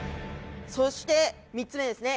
そして３つ目ですね